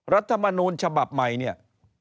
รัฐมนูลฉบับใหม่เนี่ย